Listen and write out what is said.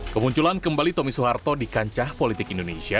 kemunculan kembali tommy soeharto di kancah politik indonesia